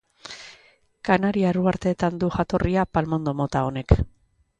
Kanariar Uharteetan du jatorria palmondo mota honek.